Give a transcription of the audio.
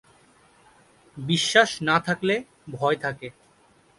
বিশ্বাস না থাকলে ভয় থাকে।